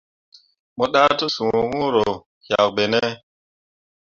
Mo ɗah tesũũ huro yak ɓene.